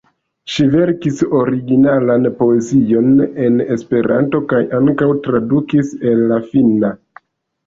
Ŝi verkis originalan poezion en Esperanto kaj ankaŭ tradukis el la finna.